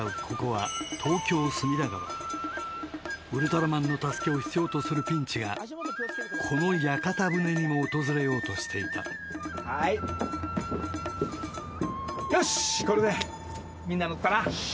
ここはウルトラマンの助けを必要とするピンチがこの屋形船にも訪れようとしていたよしこれでみんな乗ったな！